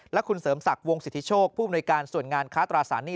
และคุณเสริมศักดิ์วงสิทธิโชคผู้อำนวยการส่วนงานค้าตราสารหนี้